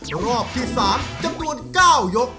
รอบที่๓จำนวน๙ยก